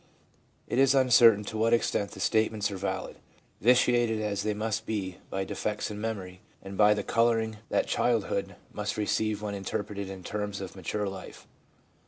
It is uncertain to what extent the statements are valid, vitiated as they must be by defects in memory, and by the colouring that childhood must receive when interpreted in terms of mature life.